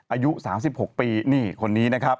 อายุ๓๖ปีนี่คนนี้นะครับ